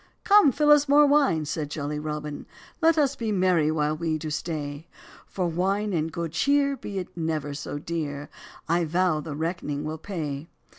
"Come fill us more wine," said jolly Robin, "Let us be merry while we do stay; For wine and good cheer, be it never so dear, I vow I the reck'ning will pay.